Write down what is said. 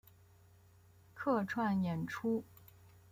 客串演出